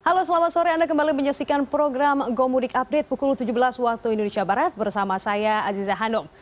halo selamat sore anda kembali menyaksikan program gomudik update pukul tujuh belas waktu indonesia barat bersama saya aziza hanum